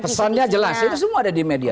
pesannya jelas itu semua ada di media